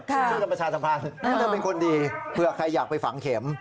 ชื่นชื่นประชาสัมภาษณ์ก็เป็นคนดีเพื่อใครอยากไปฝังเข็ม